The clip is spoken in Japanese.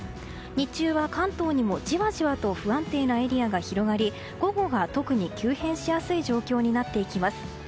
日中は関東にもじわじわと不安定なエリアが広がり午後は特に急変しやすい状況になっていきます。